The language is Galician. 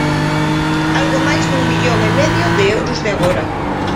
Algo máis dun millón e medio de euros de agora.